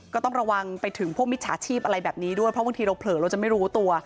ก็ต้องระวังไปถึงพวกมิจฉาชีพอะไรแบบนี้ด้วยเพราะบางทีเราเผลอเราจะไม่รู้ตัว